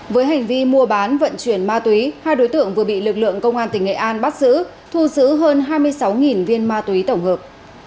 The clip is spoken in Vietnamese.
với hành vi mua bán vận chuyển ma túy hai đối tượng vừa bị lực lượng công an tỉnh nghệ an bắt giữ thu giữ hơn hai mươi sáu viên ma túy tổng hợp